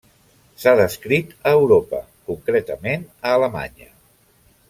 S'ha descrit a Europa, concretament a Alemanya.